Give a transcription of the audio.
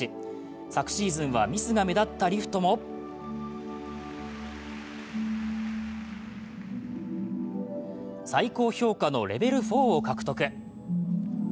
昨シーズンはミスが目立ったリフトも最高評価のレベル４を獲得。